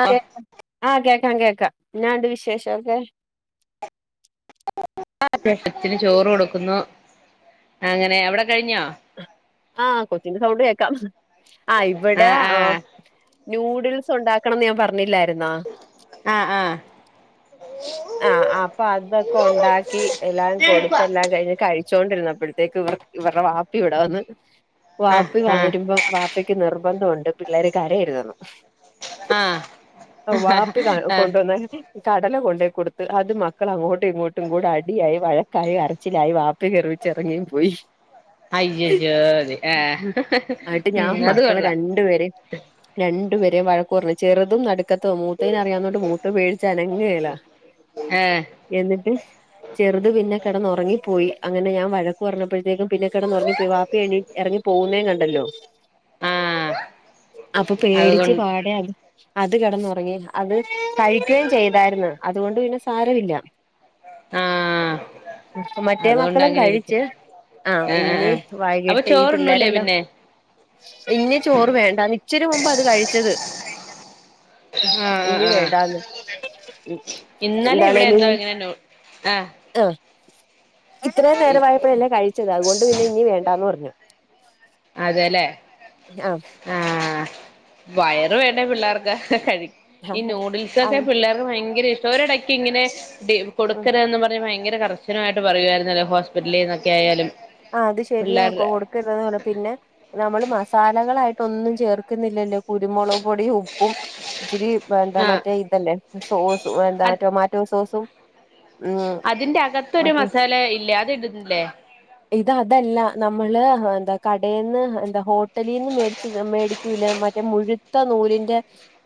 [unintelligible] കേക്കാം ആഹ് കേക്കാം കേൾക്കാം എന്നാ ഇണ്ട് വിശേഷൊക്കെ [unintelligible] ചോറ് കൊട്ക്കുന്നു അങ്ങനെ അവിടെ കഴിഞ്ഞോ ആഹ് കൊച്ചിന്റെ സൗണ്ട് കേക്കാം ആഹ് ഇവിടെ ഏ ന്യൂഡിൽസ് ഉണ്ടാക്കണംന്ന് ഞാൻ പറഞ്ഞില്ലായിരുന്നോ ആഹ് ആഹ് ആഹ് അപ്പൊ അതൊക്കെ ഉണ്ടാക്കി എല്ലാം കൊടുത്തെല്ലാം കഴിഞ്ഞ് കഴി ച്ചോണ്ടിരുന്നപ്പോഴത്തേക്ക് ഇവ ഇവര്ടെ വാപ്പി ഇവിടെ വന്ന് വാപ്പി ആഹ് ആഹ് വന്നരുമ്പം വാപ്പിക്ക് നിർബന്ധം ഉണ്ട് പിള്ളേര് കരയര്തെന്ന് ആഹ് ആഹ് വാപ്പി കാ ആഹ് കൊണ്ടോന്നെ കടല കൊണ്ടേ കൊട്ത്ത് അത് മക്കള് അങ്ങോട്ടും ഇങ്ങോട്ടും കൂടെ അടിയായി വഴക്കായി കരച്ചിലായി വാ പ്പി കെർവിച്ച് എറങ്ങിം പോയി അയ്യയ്യോ അത് ആഹ് ഉം അത് കൊള്ളാ ണ്ടുരേം രണ്ടു പേരേം വഴക്ക് പറഞ്ഞു ചെറ്തും നട് [unintelligible] മൂത്തേന് അറിയാന്നോണ്ട് മൂത്തത് പേടിച്ച് അനങ്ങേലാ ഏഹ് എന്നിട്ട് ചെറ്ത് പിന്നെ കെടന്ന് ഒറങ്ങി പോയി അങ്ങനെ ഞാൻ വഴക്ക് പറഞ്ഞപ്പോഴത്തേക്കും പിന്നെ കെടന്ന് ഒറങ്ങി പോയി വപ്പി എ എറങ്ങി പോവുന്നേ കണ്ടല്ലോ ആഹ് അപ്പൊ പേടിച്ച് അതുകൊണ്ട് പാടെ അത് അത് കെടന്നൊറങ്ങി അത് കഴിക്കുകയും ചെയ്തായിര്ന്ന് ണ്ട് പിന്നെ സാരമില്ല ആഹ് മറ്റേ അതുകൊണ്ട് മക്കളും അങ്ങനെ ഇരിക്കും കഴിച്ച് ആഹ് ഇഞ്ഞി ആഹ് അപ്പൊ വൈകിട്ട് ഈ ചോറുണ്ണൂലേ പിള്ളാരെല്ലോ പിന്നെ ഇഞ്ഞ് ചോറ് വേണ്ടാന്ന് ഇച്ചിരി മുമ്പാ അത് കഴിച്ചത് ആഹ് ആഹ് ഇഞ്ഞ് ആഹ് വേണ്ടാന്ന് ഉം ഇന്നലെ ഇവ്ടെ എന്തോ ഇങ്ങനെ നു ആഹ് ആഹ് ഇത്രേം നേരവായപ്പഴല്ലേ കഴിച്ചത് അതുകൊണ്ട് പിന്നെ ഇഞ്ഞ് വേണ്ടാന്ന് പറഞ്ഞു അതെല്ലേ ആഹ് ആഹ് വയറ് വേണ്ടെ പിള്ളാർക്ക് കഴി ഈ ആഹ് നൂഡിൽസൊക്കെ അത് പിള്ളാർ ഭയങ്കര ഇഷ്ടാ ഒരോടെയ്ക്ക് ഇങ്ങനെ [unintelligible] ഉം കൊടുക്കരുതന്നും പറഞ്ഞ് ഭയങ്കര കർശനവായിട്ട് പറയുവാര്ന്നല്ലോ ഹോസ്പിറ്റലിന്നൊക്കെയായാലും ആഹ് അത് ശരിയാ കൊടുക്കരുതന്ന് പോലെ പിന്നെ ഞമ്മള് മസാലകളായിട്ടൊന്നും ചേർ ക്കുന്നില്ലല്ലോ കുരുമുളക് പൊടിം ഉപ്പും ഇച്ചിരി എന്താ ആഹ് മറ്റേ ഇ തല്ലേ സോസു എന്താ അത് ടൊമാറ്റോ സോസും ഉം അതിന്റെ അകത്തൊരു മറ്റേ മസാല ഇല്ലേ അത് ഇടുന്നില്ലേ ഇത് അതല്ല നമ്മള് എന്താ കടേന്ന് എന്താ ഹോട്ടലീന്ന് മേടിച്ച് ക മേടി ക്ക്യൂലെ മറ്റേ മുഴുത്ത നൂലിന്റെ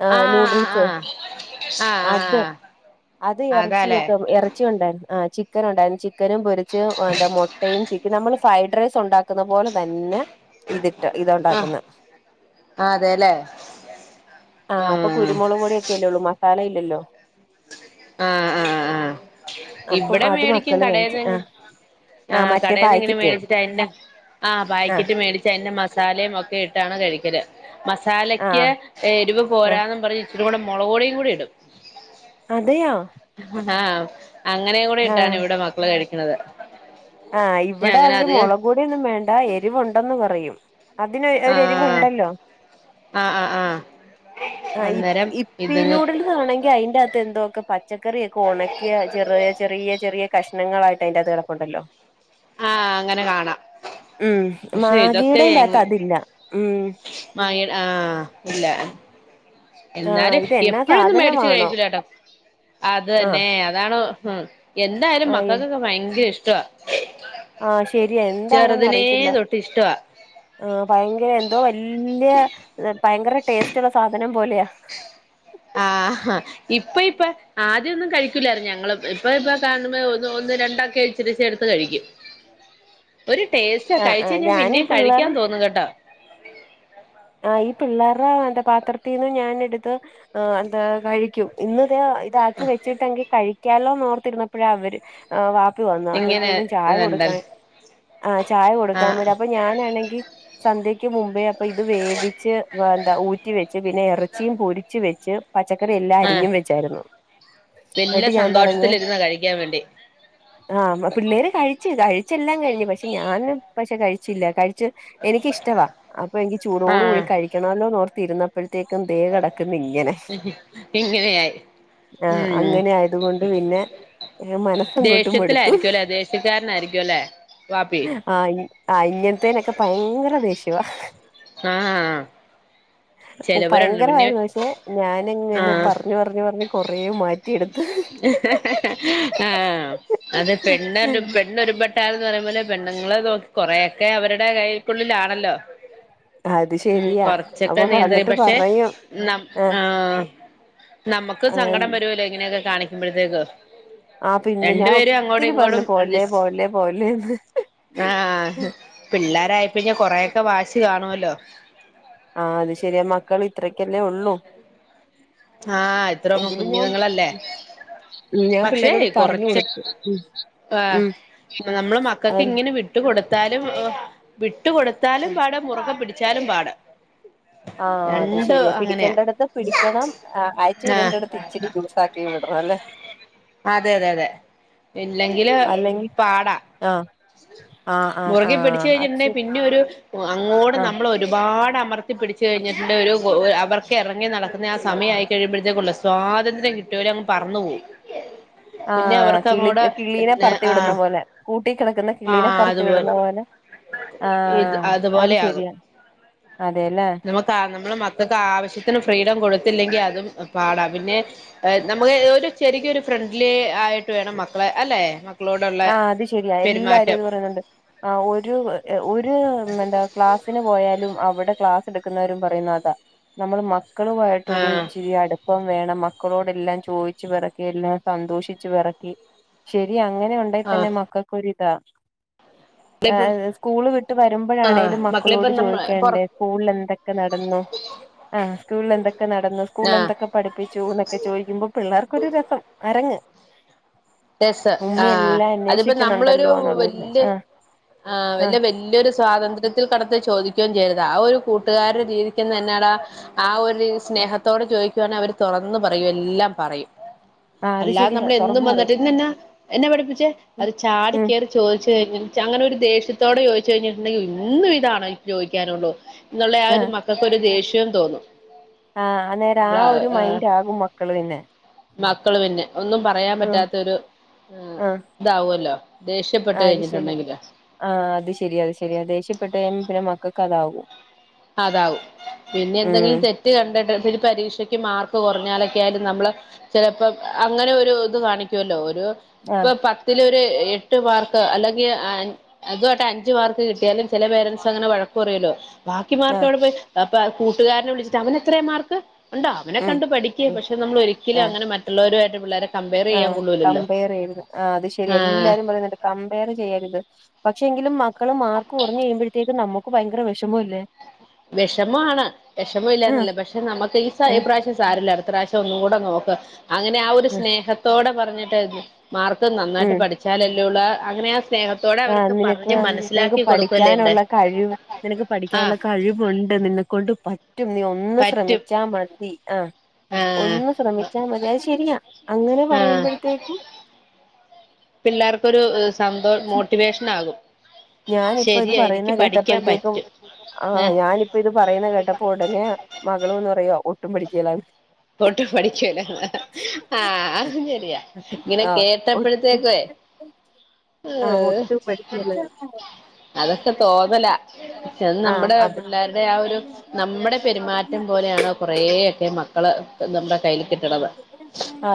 ആഹ് നൂഡിൽസ് ആഹ് അത് ആഹ് ആഹ് അത് അതാല്ലേ എറച്ചിയെക്കെ എറ ച്ചിയുണ്ടേ ആഹ് ചിക്കനും ഉണ്ടാര്ന്നു ചിക്കനും പൊരിച്ച് എന്താ മൊട്ടേം ചിക്കനും നമ്മള് [unintelligible] ഫ്രൈഡ് റൈസ് ഉണ്ടാക്കുന്ന പോലെ തന്നെ ഇതിട്ട് ഇത് ആഹ് ഒണ്ടാക്കുന്നെ അതെല്ലേ ആഹ് അപ്പൊ കുരുമുളക് പൊടിയൊക്ക്യെല്ലേള്ളു മസാല ഇല്ലല്ലോ ആഹ് ആഹ് ആഹ് അപ്പം ഇവെടെ അത് മേടിക്ക്യും മക്കള് കഴിച്ചു കടേന്ന് ആ ആ ആഹ് മറ്റേ കടേന്ന് ഇങ്ങനെ പാക്കറ്റ് മേടിച്ചിട്ട് അയിന്റെ ആഹ് ആ പായ്ക്ക്യറ്റ് മേടിച്ച് അയിന്റെ മസാലയും ഒക്കെ ഇട്ടാണ് കഴിക്കല് ആ മസാലക്ക്യ് ഏഹ് എരിവ് ആ പോരാന്നും പറഞ്ഞ് ഇച്ചിരി കൂടെ മൊളക്പൊടിം കൂടെ ഇടും അതെയോ ആഹ് അങ്ങനേം കൂടെ ആ ഇട്ടാണ് ഇവ്ടെ മക്കള് കഴിക്ക്ണത് ആഹ് ഇവടെയാണങ്കി മൊളക് പൊടിയൊന്നും വേണ്ട എരിവുണ്ടെന്ന് പറയും അതിന് ആ ഒരു എരിവുണ്ടല്ലോ ആ ആ ആ ആഹ് യി അന്നേരം യിപ്പി ഇത്ങ്ങ നൂഡിൽ സാണെങ്കി അയിന്റാത്ത് എന്തോക്കെ പച്ചക്കറിയെക്കെ ഒണക്കിയാ ചെറിയ ചെറിയ ചെറിയ കഷ്ണങ്ങളായിട്ട് അയിന്റാത്ത് കടപ്പുണ്ടല്ലോ ആഹ് അങ്ങനെ കാണാ ഉം മാഗിടേന്റാത്ത് അതില്ല ഉം മായൽ ആഹ് ഇല്ല ആഹ് എന്നാലും ഇതെന്നാ എപ്പഴൊന്നും മേടിച്ചു സാധനമാണോ കഴിച്ചൂല്ലാട്ടോ അത് ആഹ് തന്നെ അതാണോ ഉം എന്തായാലും ആഹ് മക്കൾക്കൊക്കെ ഭയങ്കര ഇഷ്ടവാ ആഹ് ശരിയാ എന്താണെന്ന് ചെറുതിനേ അറിയത്തില്ല തൊട്ട് ഇഷ്ടവാ ആഹ് ഭയങ്കര എന്തോ വല്ല്യ ഏഹ് ഭയങ്കര ടേസ്റ്റുള്ള സാധനം പോലെയാ ആഹ് ഇപ്പോ ഇപ്പേ ആദ്യൊന്നും കഴിക്ക്യുല്ലാര്ന്ന് ഞങ്ങള് ഏഹ് ഇപ്പ ഇപ്പ കാണുമ്പോ ഒന്ന് ഒന്ന് രണ്ടാക്കെ തിരിച്ചെടുത്ത് കഴിക്ക്യും ഒരു ടേസ്റ്റാ ആഹ് കഴിച്ച് ആഹ് കഴിഞ്ഞാ ഞാനും ഈ പിന്നേം പിള്ളേർ കഴിക്ക്യാൻ തോന്നും കെട്ടോ ആഹ് ഈ പിള്ളാര്ടെ എന്താ പാത്രത്തീന്ന് ഞാനെടുത്ത് ആഹ് എന്താ കഴിക്ക്യും ഇന്ന് ഇതാ ഇതാര്ക്ക് വെച്ചിട്ടെങ്കി കഴിക്ക്യാലോന്ന് ഓർത്തിര്ന്നപ്പഴാ അവര് ആ വാപ്പി വന്നു ഇങ്ങനെ അപ്പോഴത്തേക്കും ചായ കൊടുക്കാൻ ഇതുണ്ടല്ലോ ആ ചായ കൊടുക്കാൻ വേണ്ടി ആഹ് അപ്പോ ച്ച് ഞാനാണെങ്കിൽ സന്ത്യയക്ക് മുമ്പേ അപ്പൊ ഇത് വേവിച്ച് വ എന്താ ഊ റ്റി വെച്ച് പിന്നെ ഇറച്ചിയും പൊരിച്ച് വെച്ച് പച്ചക്കറി എല്ലാം ആഹ് അരിഞ്ഞും വെച്ചായിരുന്നു വല്യ എന്നിട്ട് ഞാൻ പറഞ്ഞ് സന്തോഷത്തിലിരുന്നാ കഴിക്കാൻ വേണ്ടി ആഹ് പിള്ളേര് കഴിച്ചു കഴിച്ചെല്ലാം കഴിഞ്ഞു പക്ഷെ ഞാനും പക്ഷെ കഴിച്ചില്ല കഴിച്ചു എനിക്കിഷ്ടവാ ഈ ചൂടോട് ആഹ് കൂടി കഴിക്കണമല്ലോർത്തി ഇരുന്നപ്പോഴത്തേക്കുംദേ കിടക്കുന്നു ഇങ്ങനെ ഇങ്ങനെയായി ആഹ് ഉം അങ്ങനെ ആയത് കൊണ്ട് പിന്നെ മനസ്സങ്ങോട്ടു മടുത്തു ദേഷ്യത്തിലായിരിക്കും അല്ലേ ദേഷ്യക്കാരനായിരിക്കും അല്ലേ വാപ്പി ആഹ് ആഹ് ഇങ്ങത്തേനൊക്കെ ഭയങ്കര ദേഷ്യവാ ആഹ് ഹാ ഭയങ്കരമായിരുന്നു പക്ഷെ ഞാനിങ്ങെനെ ആഹ് പറഞ്ഞ് പറഞ്ഞ് പറഞ്ഞ് കൊറേ മാറ്റി. ആഹ് അത് പെണ്ണർഞ്ഞു പെ ണ്ണൊരുപെട്ടാൽന്ന് പറയുമ്പോലെ പെണ്ണുങ്ങള് നോക്കി കൊറേക്കെ അവരുടെ കൈയ്ക്കുള്ളിലാണല്ലോ. അത് ശരിയാ അപ്പൊ പേന്തയും വന്നിട്ട് പക്ഷെ പറയും ന അഹ് ആഹ് നമുക്കും ആഹ് സങ്കടം വരുല്ലോ ഇങ്ങനെയൊക്കെ കാണിക്കുമ്പോഴത്തേക്ക്? ആഹ് പിന്നെ ഞാൻ ഒത്തിരി പറഞ്ഞു പോല്ലേ അഡ്ജസ്റ്റ് പോവല്ലേ പോല്ലേന്ന്. ആഹ് പിള്ളേരായിപ്പഒക്കെ കൊറെക്കെ വാശി കാണുല്ലോ. ആഹ് അത് ശരിയാ മക്കൾ ഇത്രക്കല്ലേ ഒള്ളു. ആഹ് ഇത്രൊന്നും എങ്കിലും ഞാൻ കുഞ്ഞുങ്ങളല്ലേ ഞാൻ പക്ഷേ പിള്ളേരോട് പറഞ്ഞു കൊറച്ച് കൊടുത്തു ഉം ആഹ് ഉം നമ്മള് മക്കക്ക് ഇങ്ങനെ വി ട്ട് കൊടുത്താലും വിട്ട് കൊടുത്താലും പാട മുറകെ പിടിച്ചാലും പാട. ആഹ് അത് ശരിയാ പിടിക്കേണ്ടടത്ത് പിടിക്കണം. ആഹ് അയച്ചു ആഹ് വിടണ്ടടുത്ത് ഇച്ചിരി ലൂസാക്കിയും വിടണം ല്ലേ? അതെ അതെ അതെ ഇല്ലെങ്കില് അല്ലെങ്കിൽ പാടാ. ആഹ് ആഹ് ആഹ് മുറുകെ പിടിച്ച് ആഹ് അത് ശരി കഴിഞ്ഞിട്ടുണ്ടെങ്കി പിന്നെ ഒരു അങ്ങോടും ആഹ് നമ്മളരു ഒരുപാട് അമർത്തി പിടിച്ച്ഴിഞ്ഞിട്ടുണ്ട് ഒരു അവർക്ക് ഇറങ്ങി നടക്കുന്ന ആ സമയ ആയി കഴിയുമ്പോഴത്തേക്കുള്ള സ്വാതന്ത്ര്യം കിട്ടയോലെ അങ്ങ് പറന്നു പോവും. പിന്നെ ആഹ് അവർക്ക് കിളി അങ്ങോട് പിന്നെ കിളീനെപ്പറത്തി വിടുന്ന ആഹ് പോലെ കൂട്ട കിടക്കുന്ന കിളീനെ ആഹ് പറത്തി അതുപോലെ വിടുന്ന പോലെ. ഇത് ആഹ് അത് അതുപോലെ ശരിയ അതെല്ലേ. താ നമ്മള് മക്കൾക്ക് ആവശ്യത്തിന് ഫ്രീഡം കൊടുത്തില്ലെങ്കി അതും പാടാ. പിന്നെ നമു ഒരു ചെരിയ ഒരു ഫ്രണ്ട്ലി ആയിട്ട് വേണം മക്കളെ അല്ലെ? മക്കളോടുള്ള ആഹ് അത് ശരിയാ എല്ലാരും പെരുമാറ്റം അത് പറയന്ന്ണ്ട്. ആഹ് ഒരു ഒരു എന്താ ക്ലാസ്സിന് പോയാലും അവിടെ ക്ലാസ് എടുക്കുന്നവരും പറയുന്ന അതാ. നമ്മള് മക്കളുമായിട്ടരു ആഹ് ഇച്ചിരി അടു പ്പം വേണം മക്കളോട് എല്ലാം ചോയ്ച്ചു പിറക്കി എല്ലാം സന്തോഷിച്ചു പിറക്കി ശരിയ അങ്ങനെണ്ടായി ആഹ് തന്നെ മക്കക്കൊരിതാ ഇപ്പ ഏഹ് സ്കൂള് വിട്ട് ആഹ് വരുമ്പോഴാണേലും മക്കളിപ്പ മക്കളോട് നമ്മ ചോയ്ക്കാ പൊറ സ്കൂളിൽ എന്തൊക്കെ നടന്നു? ആഹ് സ്കൂളന്തൊക്കെ നടന്നു സ്കൂളിൽ ആഹ് എന്തൊക്കെ പഠിപ്പിച്ചുന്ന ക്കെ ചോദിക്കുമ്പോ പിള്ളേർക്കൊരു രസം അരങ്ങ്. രസ് ആഹ് ഉമ്മി ആഹ് എല്ലാം അതിപ്പോ നമ്മളൊരു അന്വേഷിക്കുന്നുണ്ടല്ലോ എന്നുള്ളത് വല്യ ആഹ് ആ ആഹ് വല്യരു സ്വാതന്ത്ര്യ ത്തിൽ കടത്ത് ചോദിക്കുകയും ചെയ്യരുത് ആ ഒരു കൂട്ടുകാരടെ രീതിക്കതന്നെട ആ ഒ സ്നേഹത്തോട് ചോദിക്കുവാണേൽ അവര് തുറന്നു പറയും എല്ലാം പറയും. ആഹ് അത് അല്ലാതെ ശരിയാ നമ്മൾ എന്നും തുറന്നു പറയും വന്നിട്ട് ഇന്നെന്നാ എന്ന പഠിപ്പിച്ചേ ഉം അത് ചാടി ഉം കേറി ചോയ്ച്ചുകഴിഞ്ഞ അങ്ങനെ ഒരു ദേഷ്യത്തോടെ ചോയ്ച്ചു കഴിഞ്ഞിട്ടുണ്ടെങ്കി ഇന്നും ഇതാണ് ചോയ്ക്കാനുള്ളൂ ന്നുള്ള ആ ഒരു ആഹ് മക്കൾക്കൊരു ദേഷ്യം തോന്നും. ആഹ് അന്നേരം ആ നമ്മള ഒരു മൈൻഡാകും മക്കള് പിന്നെ. മക്കൾ പിന്നെ ഒന്നും പറയാൻ ഉം പറ്റാത്തൊരു ആഹ് ഇതാവല്ലോ. ദേഷ്യപ്പെട്ട് അത് ശരിയാ കഴിഞ്ഞിട്ടുണ്ടെങ്കില. ആഹ് അത് ശരി അത് ശരിയ ദേഷ്യപ്പെട്ട് കഴിഞ്ഞ പിന്നെ മക്കക്ക് അതാകും. അതാവും പിന്നെ ഉം എന്തെങ്കിലും തെ റ്റ് കണ്ടിട്ട് പരീക്ഷയ്ക്ക് മാർക്ക് കുറഞ്ഞാലൊക്കെ ആയാലും നമ്മള് ചിലപ്പോ അങ്ങനെ ഒരു ഇത് കാണിക്കുല്ലോ ഒരു ആഹ് ഇപ്പ പ തിലൊരു എട്ട് മാർക്ക് അല്ലെങ്കി അതവെട്ട് അഞ്ചു മാർക്ക് കിട്ടിയാലും ചില പേരൻസ് അങ്ങനെ വഴക്ക് പറയുവല്ലോ. ബാക്കി മാർക്ക് ആഹ് എവിടെ പോയി അപ്പ കൂട്ടുകാരനെ വിളിച്ചിട്ട് അവനത്ര മാർക്ക്? കണ്ടാ അവനെ ഉം കണ്ട് പഠിക്കേ ഉം പക്ഷെ നമ്മൾ ഒരിക്കലും ആഹ് അങ്ങനെ മറ്റുള്ളവരുവായിട്ട് പിള്ളേരെ കമ്പയർ ചെയ്യാൻ ആഹ് കൊള്ളൂലല്ലോ കമ്പയർ ചെയ്യരുത് ആ അത് ശരി ആഹ് എല്ലാരും പറയുന്നുണ്ട് കമ്പയർ ചെയ്യരുത് പക്ഷെ എങ്കിലും മക്കള് മാർക്ക് കുറഞ്ഞുകഴിയുമ്പോഴത്തേക്ക് നമുക്ക് ഭയങ്കര വിഷമം ല്ലേ? വിഷമാണ് വിഷമ ആഹ് ഇല്ലന്നല്ല പക്ഷെ നമുക്ക് ഈ സെയിം ആഹ് പ്ര സാരം ഇല്ല അടുത്ത പ്രാവശ്യം ഒന്ന് കൂടെ നോക്ക്‌ അങ്ങനെ ആ ഒരു ആഹ് സ്നേഹത്തോടെ പറഞ്ഞിട്ട് മാർക്ക്‌ നന്നായിട്ട് ഉം പഠിച്ചാലല്ലേ ഉള്ളു ആ അങ്ങനെ ആ സ്നേഹ ആഹ് നിനക്ക് നിനക്ക് ഉണ്ടേ പഠിക്കാനുള്ള കഴിവ് നിനക്ക് പഠിക്കാനുള്ള ആഹ് കഴിവ് ഉണ്ട് നിന്നെക്കൊണ്ട് പറ്റും നീ ഒന്ന് പറ്റും ശ്രമിച്ചാൽ മതി ആഹ് ആഹ് ഒന്ന് ശ്രമിച്ചാൽ മതി അത് ശരിയാ അങ്ങനെ ആഹ് പറയുമ്പോഴത്തേക്കും പിള്ളേർക്കൊരു സന്തോഷം മോട്ടിവേഷൻ ആകും ഞാനിപ്പോ ഇത് ശരിയാ പറയുന്ന എനിക്ക് പഠിക്കാൻ കേട്ടപ്പോഴത്തേക്കും പറ്റും ആ ആ ഏഹ് ഞാന് ഇപ്പോ ഇത് പറയുന്ന കേട്ടപ്പോ ഉടനെ മകള് വന്ന് പറയുവാ ഒട്ടും പഠിക്കേലാന്ന് ഒട്ടും പഠിക്കേല ആഹ് അതും ശരിയാ ഇങ്ങനെ ആഹ് ഒട്ടും കേട്ടപ്പോഴത്തേക്കുവേ ആഹ് ഏഹ് ഒട്ടും പഠിക്കേലാന്ന് അതൊക്കെ തോന്നലാ എന്ന് ആഹ് നമ്മുടെ അത് പിള്ളാരുടെ ആ ഒരു നമ്മുടെ പെരുമാറ്റം പോലെയാണ് കുറേക്കെ മക്കള് നമ്മുടെ കയ്യിൽ കിട്ടണത്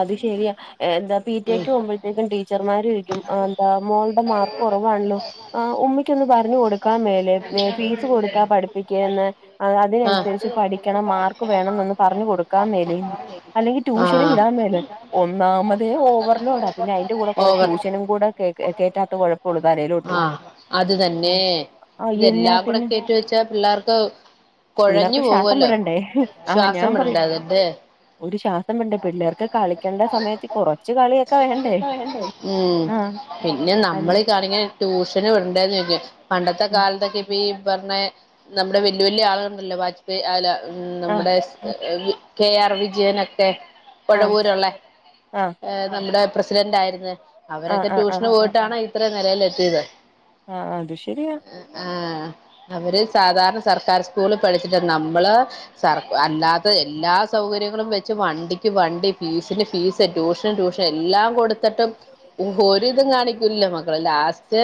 അത് ശരിയാ എന്താ പി ടി എ ഉം ക്ക് പോകുമ്പോഴത്തേക്കും ടീച്ചർമാര് ചോദിക്കും എന്താ മോളുടെ മാർക്ക് കുറവാണല്ലോ ആ ഉമ്മയ്ക്കൊന്ന് പറഞ്ഞു കൊടുക്കാൻ മേലെ ഫീസ് കൊടുത്താ പഠിപ്പിക്കേന്ന് അ ആഹ് അതിനനുസരിച്ച് പഠിക്കണം മാർക്ക് വേണം എന്നൊന്ന് പറഞ്ഞു കൊടുക്കാൻ മേലെന്ന് അല്ലെങ്കിൽ ട്യൂഷന് ആഹ് വിടാൻ മേലെന്നു ഒന്നാമ തെ ഓവർലോഡാ പിന്നെ അതിന്റെ കൂടെ കൊറേ ഓവർ ട്യൂഷനും കൂടെ കേ കേറ്റാത്ത കുഴപ്പള്ളൂ തലയിലോട്ട് ആഹ് അത് തന്നെ ആഹ് എന്നാ ഇതെല്ലാം കൂടെ പിന്നെ കേറ്റി വെച്ചാ പിള്ളേർക്ക് കുഴഞ്ഞു പിള്ളേർക്ക് ശ്വാസം പോകുവല്ലോ വിടണ്ടേ ആഹ് ശ്വാസം ഞാൻ പറ വിടണ്ടേ അതെന്നെ ഒരു ശ്വാസം വിടേണ്ട പിള്ളേർക്ക് കളിക്കേണ്ട സമയത്ത് കൊറച്ച് കളി ഉം പിന്നെ അൽ നമ്മളി കാണിക്കാ ട്യൂഷന് വിടണ്ടേന്ന് ചോദിക്കും പണ്ടത്തെ ഉം കാലത്തൊക്കെ ഇപ്പോ ഈ പറഞ്ഞ നമ്മുടെ വലിയ വലിയ ആളുകളു ണ്ടല്ലോ വാജ്പേയി അല്ല ആഹ് നമ്മടെ വ കെ ആർ വിജയനൊക്കെ ആഹ് കൊടവൂരുള്ളെ ആഹ് നമ്മുടെ പ്രസിഡന്റായിരുന്നെ ആഹ് അവരൊക്കെ ആഹ് ആഹ് ട്യൂഷന് പോയിട്ടാണ് ഇത്രയും നിലയിലെത്തിയത്. ആഹ് ആഹ് അത് ശരിയാ. ആഹ് അവര് സാധാരണ സർക്കാർ സ്കൂളിൽ പഠിച്ചിട്ടാ നമ്മള് സർ അല്ലാത്ത എല്ലാ സൗകര്യങ്ങളും വെച്ച് വണ്ടിക്ക് വണ്ടി ഫീസിന് ഫീസ് ട്യൂഷ് ഷന് ട്യൂഷൻ എല്ലാം കൊടുത്തിട്ടും ഒരിതും കാണിക്കൂല്ലല്ലോ മക്കള് ലാസ് സ്റ്റ്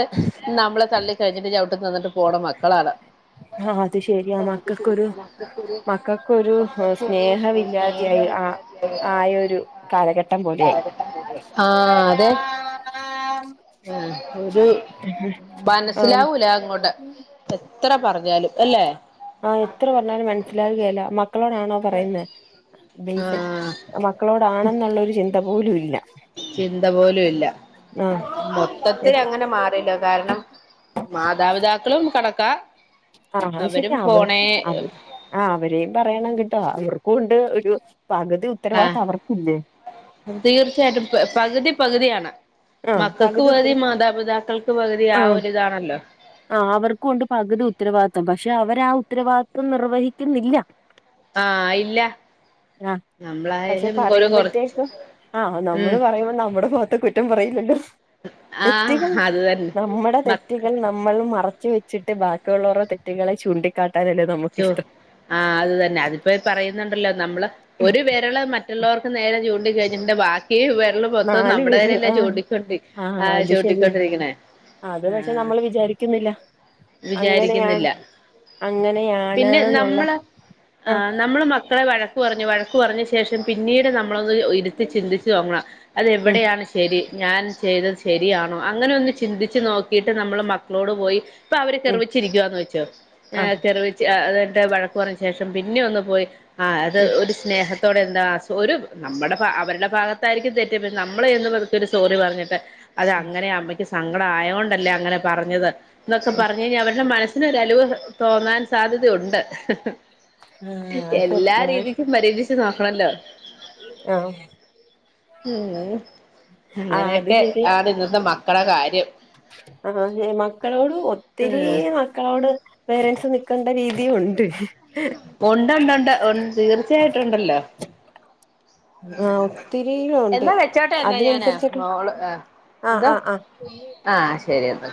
നമ്മളെ തള്ളിക്കളഞ്ഞിട്ട് ചവിട്ടും തന്നിട്ട് പോണെ മക്കളാണ്. ആഹ് അത് ശരിയാ [unintelligible] [inaudible] മക്കക്കൊരു മക്കക്കൊരു സ്നേഹമില്ലാതെയായി ആഹ് ആയൊരു കാലഘട്ടം പോലെയായി ആഹ് ആഹ് അതെ ഒരു ആഹ് മനസ്സിലാവൂല അങ്ങോട്ട് എത്ര പറഞ്ഞാലും അല്ലേ? ആഹ് എത്ര പറഞ്ഞാലും മനസ്സിലാവുകയില്ലാ മക്കളോടാണോ പറയുന്നെ ബെയ്സ- ആഹ് മക്കളോടാണെന്നുള്ളൊരു ചിന്ത പോലും ഇല്ല. ചിന്ത പോലും ഇല്ല ആഹ് മൊത്തത്തിലങ്ങനെ മാ ഇല്ല കാരണം മാതാപിതാക്കളും കണക്കാ ആഹ് അത് അവരും ശരിയാ അവൻ ഫോണേ അവര് ആഹ് അവരെയും പറയണം കേട്ടോ. അവർക്കും ഉണ്ട് ഒരു പകുതി ആഹ് ഉത്തരവാദിത്തം അവർക്കും ഇല്ലേ? തീർച്ചയായിട്ടും പ പകുതി പകുതിയാണ്. ആഹ് മക്കക്ക് ഉത്തര പകുതി മാതാപിതാക്കൾക്ക് പകുതി ആ ആഹ് ഒരിതാണല്ലോ. ആഹ് അവർക്കും ഉണ്ട് പകുതി ഉത്തരവാദിത്തം. പക്ഷേ അവര് ആ ഉത്തരവാദിത്തം നിർവഹിക്കുന്നില്ല. ആഹ് ഇല്ല. ആഹ് പക്ഷെ നമ്മളായാലും ഒരു കൊറച്ച് പറയുമ്പഴ്ത്തേക്കും ആ ഉം നമ്മള് പറയുമ്പം നമ്മടെ മുഖ ട്ടും പറയില്ലല്ലോ ആഹ് തെറ്റികൾ അത് തന്നെ നമ്മടെ തെറ്റ് മക്ക റ്റികൾ നമ്മളും മറച്ച് വെച്ചിട്ട് ബാക്കിയുള്ളോറെ തെറ്റികളെ ചൂണ്ടിക്കാട്ടാനല്ലേ- ചോ നമുക്കിഷ്ടം ആ അത് തന്നെ അതിപ്പൊ ഈ പറയുന്നുണ്ടല്ലോ നമ്മള് ഒരു വെരള് മ റ്റൊള്ളോർക്ക് നേരെ ചൂണ്ടി കയിഞ്ഞിട്ട്ണ്ടെങ്കിൽ‌ ബാ ക്കീ വെരള് മൊത്തം നാല് നമ്മടെ പേര് നേരെ അല്ലേ ആഹ് ചൂണ്ടിക്കൊണ്ടി ആഹ് ആ അത് ശരിയാ ചൂണ്ടിക്കൊണ്ടിരിക്ക്ണെ. അത് പക്ഷെ നമ്മള് വിചാരിക്കുന്നില്ല. അങ്ങനെയാണ് വിചാരിക്കുന്നില്ല. പിന്നെ അങ്ങനെയാണ്ന്നുള്ള നമ്മള് ആ ആഹ് നമ്മള് മക്കളെ വഴക്ക് പറഞ്ഞ് വഴക്കു പറഞ്ഞ് ശേഷം പിന്നീട് നമ്മളൊന്ന് ഒ ഇരുത്തി ചിന്തിച്ച് നോക്കണം ഉം അതെവിടെയാണ് ശെരി ഞാൻ ചെയ്തത് ശ ശെരിയാണോ അങ്ങനെ ഒന്ന് ചിന്തിച്ച് നോക്കീട്ട് നമ്മള് മക്കളോട് പോയി- പ്പ അവര് ഉം കെറുവിച്ചിരിക്കുവാന്ന് വെച്ചോ ഞാ ആഹ് വെച്ച് അ അത് കഴിഞ്ഞ്ട്ട് വഴക്ക് പറഞ്ഞ ശേഷം പിന്നെ ഒന്ന് പോയി ആ അത് ഉം ഒരു സ്നേഹത്തോടെ എന്താ ഹസ്ബ ഒരു നമ്മടെ ഭ അവര്ടെ ഭാഗത്തായിരിക്കും തെറ്റ് പിന്നെ നമ്മള് ചെന്ന് പതുക്കെ ഒര് സോറി പറഞ്ഞിട്ട്. അത് ഉം അങ്ങനെ അമ്മക്ക് സങ്കടം ആയോണ്ടല്ലേ അങ്ങനെ പറഞ്ഞത് എന്നൊക്കെ ഉം പറഞ്ഞ് കയിഞ്ഞാ അവര്ടെ മനസ് പിന്നെ ഒരലിവ് തോന്നാൻ സാധ്യതയുണ്ട്. ഹ് ഹ് ഹ് ആഹ് എല്ലാ സത്യ രീതിക്കും പരീക്ഷിച്ചു നോക്കണല്ലോ. ആഹ് ഉം ആഹ് അത് അങ്ങനെയൊക്കെ ആണ് ഇന്നത്തെ മക്കളെ കാര്യം. ആ ന്നെ മക്കളോട് ഒത്തിരീ ഉം മ ക്കളോട് പേരൻസ് നിക്കണ്ട രീതിയും ഉണ്ട്. ഒണ്ടൊണ്ട്‌ണ്ട്‌ ഒണ്ട് തീർച്ചയായിട്ടും ഒണ്ടല്ലോ ആഹ് ഒത്തിരി ഉണ്ട് എന്നാ വെച്ചോട്ടെ എന്നാ ഞാന് അതിനനുസരിച്ചൊക്കെ മോള് ആ ആഹ് ന്താ ആഹ് ആഹ് ആഹ് ശരി എന്ന